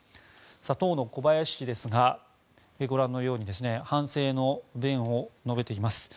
当の小林氏ですが、ご覧のように反省の弁を述べています。